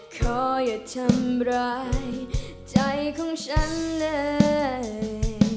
ขออย่าทำร้ายใจของฉันเลย